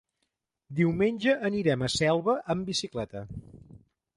Diumenge anirem a Selva amb bicicleta.